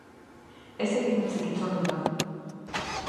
Ez egin hutsik hitzordura!